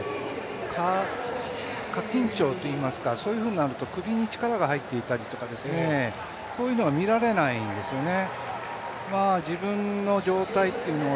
過緊張といいますか首に力が入っていたりとか、そういうのが見られないんですよね。